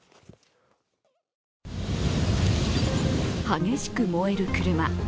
激しく燃える車。